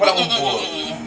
makanya kesini pada mumpul